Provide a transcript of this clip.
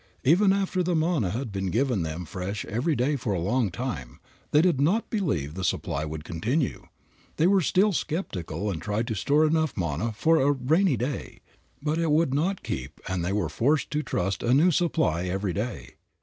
Even after the manna had been given them fresh every day for a long time, they did not believe the supply would continue. They were still skeptical and tried to store enough manna for "a rainy day," but it would not keep and they were forced to trust to a new supply every day.